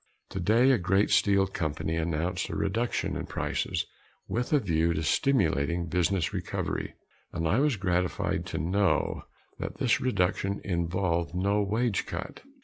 Today a great steel company announced a reduction in prices with a view to stimulating business recovery, and I was gratified to know that this reduction involved no wage cut.